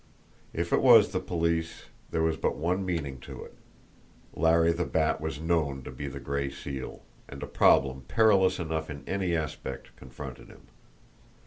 If it was the police, there was but one meaning to it Larry the Bat was known to be the Gray Seal, and a problem perilous enough in any aspect confronted him.